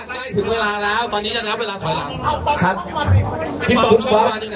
ได้ถึงเวลาแล้วตอนนี้จะนับเวลาถอยหลังครับพี่พี่พี่พี่